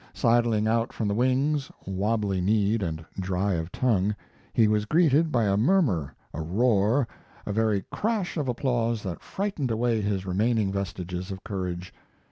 Sidling out from the wings wobbly kneed and dry of tongue he was greeted by a murmur, a roar, a very crash of applause that frightened away his remaining vestiges of courage.